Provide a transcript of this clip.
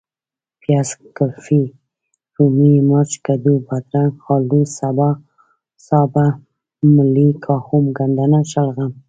پیاز ،ګلفي ،رومي ،مرچ ،کدو ،بادرنګ ،الو ،سابه ،ملۍ ،کاهو ،ګندنه ،شلغم